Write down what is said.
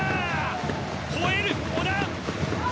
ほえる、小田。